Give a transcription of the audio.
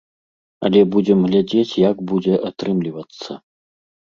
Але будзем глядзець, як будзе атрымлівацца.